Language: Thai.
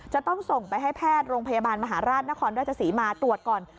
จะต้องส่งไปให้แพทย์โรงพยาบาลมหาราชนครราชศรีมาตรวจก่อน